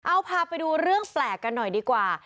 เอาพาไปดูเรื่องแปลกกันหน่อยดีกว่า